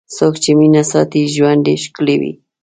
څوک چې مینه ساتي، ژوند یې ښکلی وي.